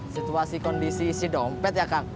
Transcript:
situasi kondisi isi dompet ya kang